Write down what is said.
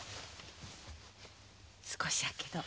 少しやけど。